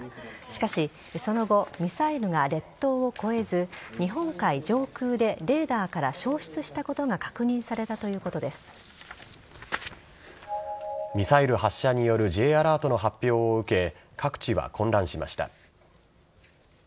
しかし、その後ミサイルが列島を越えず日本海上空でレーダーから消失したことがミサイル発射によるＪアラートの発表を受け各地は混乱しました。